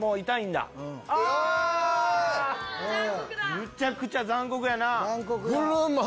むちゃくちゃ残酷やなぁ。